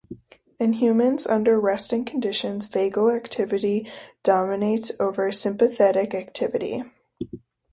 In humans under resting conditions vagal activity dominates over sympathetic activity.